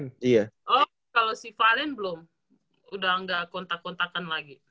oh kalau si valen belum udah nggak kontak kontakan lagi